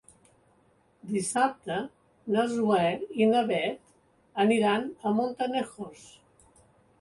Dissabte na Zoè i na Bet aniran a Montanejos.